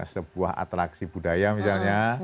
sebuah atraksi budaya misalnya